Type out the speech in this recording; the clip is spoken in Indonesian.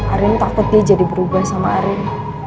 arin takut dia jadi berubah sama arin